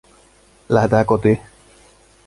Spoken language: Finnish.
Lähetää kotii!"